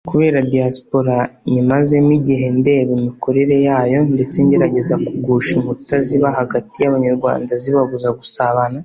Kubera diaspora nyimazemo igihe ndeba imikorere yayo ndetse ngerageza kugusha inkuta ziba hagati y’abanyarwanda zibabuza gusabana